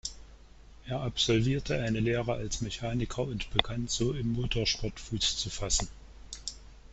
Er absolvierte eine Lehre als Mechaniker und begann so im Motorsport Fuß zu fassen.